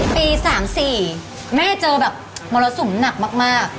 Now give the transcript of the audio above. ปี๓๔แม่เจอโมแลตศุลมันหนักมาก